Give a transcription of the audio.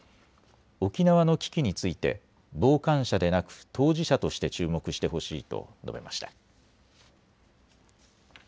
沖縄の危機について傍観者でなく当事者として注目してほしいと述べました。